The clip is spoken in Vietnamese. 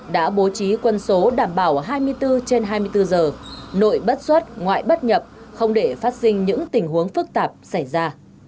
đã bố trí quân số đảm bảo hai mươi bốn trên hai mươi bốn giờ nội bất xuất ngoại bất nhập không để phát sinh những tình huống phức tạp xảy ra